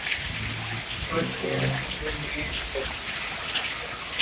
Persians remained Persians.